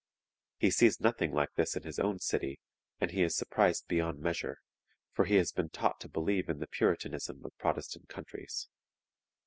He sees nothing like this in his own city, and he is surprised beyond measure, for he has been taught to believe in the Puritanism of Protestant countries.